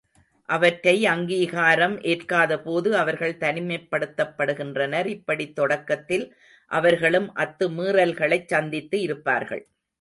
அவற்றை அங்கீகாரம் ஏற்காதபோது அவர்கள் தனிமைப்படுத்தப்படுகின்றனர், இப்படித் தொடக்கத்தில் அவர்களும் அத்துமீறல்களைச் சந்தித்து இருப்பார்கள்.